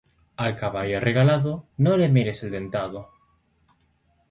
A caballo regalado, no le mires el dentado